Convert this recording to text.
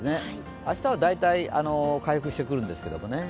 明日は大体、回復してくるんですけどもね。